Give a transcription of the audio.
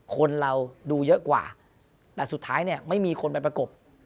คนเราดูเยอะกว่าแต่สุดท้ายเนี่ยไม่มีคนไปประกบ